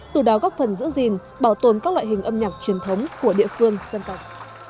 từ đó góp phần giữ gìn bảo tồn các loại hình âm nhạc truyền thống của địa phương dân tộc